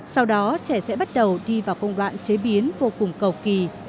sau đó trẻ sẽ bắt đầu đi vào công đoạn chế biến vô cùng cầu kỳ